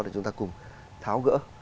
để chúng ta cùng tháo gỡ